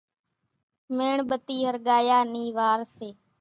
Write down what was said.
ميڻ ٻتي ۿرڳايا نِي وار سي